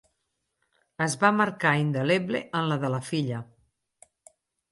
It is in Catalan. Es va marcar indeleble en la de la filla.